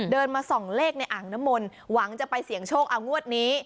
เดินมาส่องเลขในอังนมลหวังจะไปเสี่ยงโชคเอางวดนี้